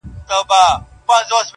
هتکړۍ به دي تل نه وي -